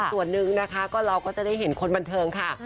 ส่วนนึงเราก็จะได้เห็นคนบันเทิงค่ะ